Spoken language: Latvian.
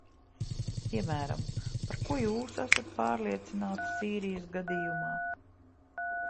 Piemēram, par ko jūs esat pārliecināta Sīrijas gadījumā?